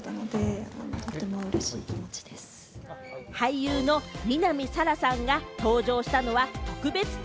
俳優の南沙良さんが登場したのは特別展